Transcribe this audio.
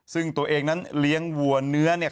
ซึ่งตัวเองนั้นเลี้ยงวัวเนื้อเนี่ย